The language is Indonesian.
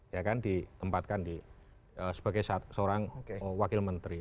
ya kan ditempatkan sebagai seorang wakil menteri